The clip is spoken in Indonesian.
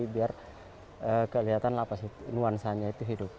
biar kelihatan lapas nuansanya itu hidup